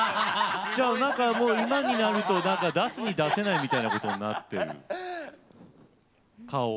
じゃあ何かもう今になると出すに出せないみたいなことになってる？顔を。